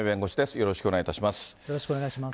よろしくお願いします。